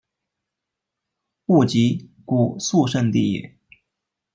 勿吉古肃慎地也。